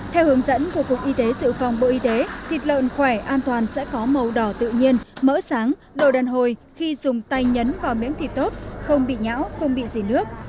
theo hướng dẫn của cục y tế dự phòng bộ y tế thịt lợn khỏe an toàn sẽ có màu đỏ tự nhiên mỡ sáng đồ đàn hồi khi dùng tay nhấn vào miếng thịt tốt không bị nhão không bị dì nước